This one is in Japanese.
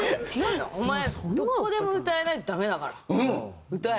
「お前どこでも歌えないとダメだから。歌え」みたいな。